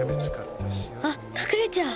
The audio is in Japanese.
あっかくれちゃう。